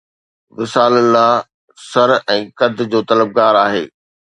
وصال لله سر ۽ قد جو طلبگار آهي